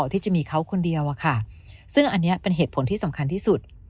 ที่จะมีเขาคนเดียวอะค่ะซึ่งอันนี้เป็นเหตุผลที่สำคัญที่สุด